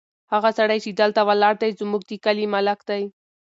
هغه سړی چې دلته ولاړ دی، زموږ د کلي ملک دی.